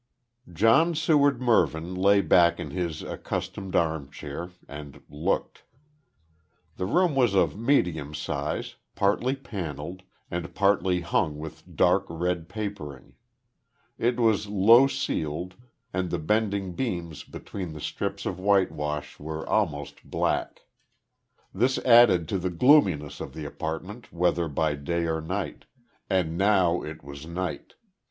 John Seward Mervyn lay back in his accustomed armchair, and looked. The room was of medium size, partly panelled, and partly hung with dark red papering. It was low ceiled, and the bending beams between the strips of whitewash were almost black. This added to the gloominess of the apartment whether by day or night; and now it was night.